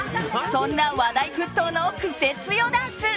そんな話題沸騰のクセ強ダンス。